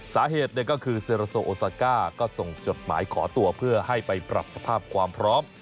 สาเหตุก็คือเซราโซโอซาก้าก็ส่งจดหมายขอตัวเพื่อให้ไปปรับสภาพความพร้อม